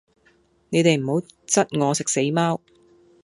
你哋唔好質我食死貓